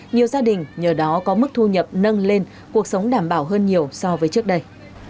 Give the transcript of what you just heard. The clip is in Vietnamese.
nhiều gia đình nhờ đó có mức thu nhập nâng lên cuộc sống đảm bảo hơn nhiều so với trước đây